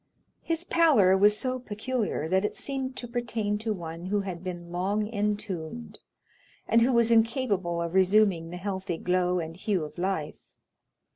His pallor was so peculiar, that it seemed to pertain to one who had been long entombed, and who was incapable of resuming the healthy glow and hue of life.